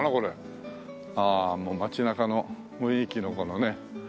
ああもう街中の雰囲気のこのね。